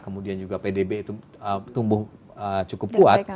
kemudian juga pdb itu tumbuh cukup kuat